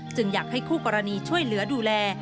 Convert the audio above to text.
อยากให้คู่กรณีช่วยเหลือดูแล